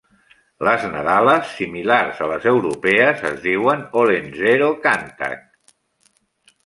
Les nadales, similars a les europees, es diuen Olentzero kantak.